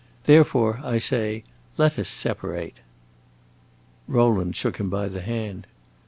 Therefore, I say, let us separate." Rowland shook him by the hand.